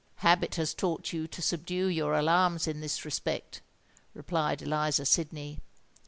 "Habit has taught you to subdue your alarms in this respect," replied Eliza Sydney.